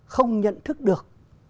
không nhận thức được